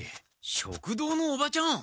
食堂のおばちゃん！